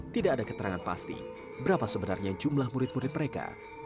tidak ada keterangan pasti berapa sebenarnya jumlah murid murid mereka